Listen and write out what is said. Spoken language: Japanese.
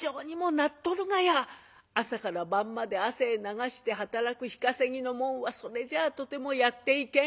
朝から晩まで汗流して働く日稼ぎの者はそれじゃあとてもやっていけん。